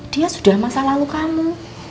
dia sudah masa lalu kamu